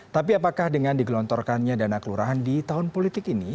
tapi apakah dengan digelontorkannya dana kelurahan di tahun politik ini